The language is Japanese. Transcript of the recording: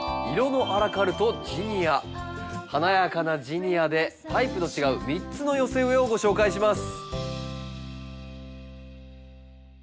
華やかなジニアでタイプの違う３つの寄せ植えをご紹介します。